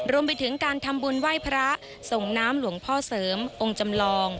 รวมไปถึงการทำบุญไหว้พระส่งน้ำหลวงพ่อเสริมองค์จำลอง